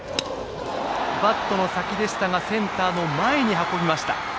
バットの先でしたがセンターの前に運びました。